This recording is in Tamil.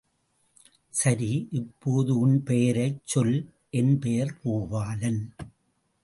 சரி, இப்போது உன் பெயரைச் சொல்! என் பெயர் பூபாலன்!